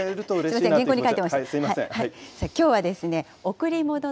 すみません、原稿に書いてました。